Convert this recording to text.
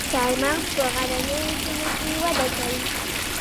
چهارمغز په غرنیو سیمو کې وده کوي